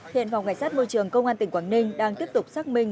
hiện phòng cảnh sát môi trường công an tỉnh quảng ninh đang tiếp tục xác minh